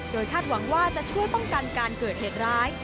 คาดหวังว่าจะช่วยป้องกันการเกิดเหตุร้าย